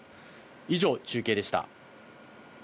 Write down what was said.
以上、中継でした。